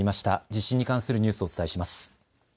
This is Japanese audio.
地震に関するニュースをお伝えします。